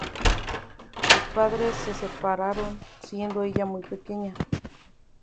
Sus padres se separaron siendo ella muy pequeña.